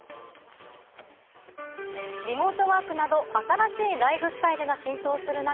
リモートワークなど新しいライフスタイルが浸透する中